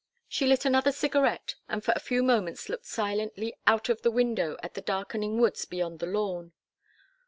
She lit another cigarette, and for a few moments looked silently out of the window at the darkening woods beyond the lawn.